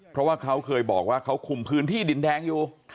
เพราะว่าเขาเคยบอกว่าเขาคุมพื้นที่ดินแดงอยู่